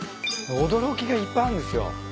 驚きがいっぱいあるんですよ。